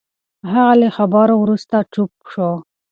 هغه له خبرو وروسته چوپ شو.